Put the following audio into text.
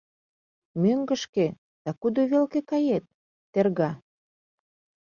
— Мӧҥгышкӧ, да кудо велке кает? — терга.